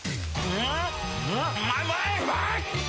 うまい！！